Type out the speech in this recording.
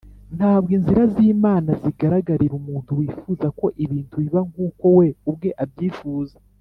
ntabwo inzira z’imana zigaragarira umuntu wifuza ko ibintu biba nk’uko we ubwe abyifuza